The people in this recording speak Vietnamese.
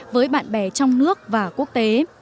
với bạn bè trong nước và quốc tế